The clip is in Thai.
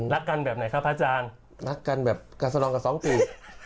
รักกันแบบไหนครับพระอาจารย์รักกันแบบการสลองกับสองปี